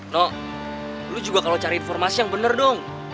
no lo juga kalau cari informasi yang bener dong